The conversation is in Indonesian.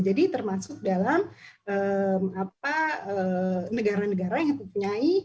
jadi termasuk dalam negara negara yang dipenyai